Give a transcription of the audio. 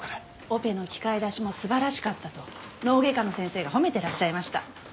オペの器械出しも素晴らしかったと脳外科の先生が褒めてらっしゃいました。